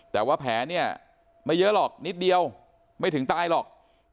แต่ว่าแผลเนี่ยไม่เยอะหรอกนิดเดียวไม่ถึงตายหรอก